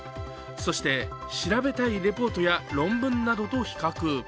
そして調べたいレポートや論文などと比較。